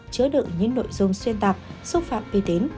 chứa đựng những nội dung xuyên tạp xúc phạm bi tín